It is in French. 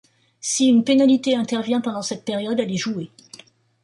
Si une pénalité intervient pendant cette période, elle est jouée.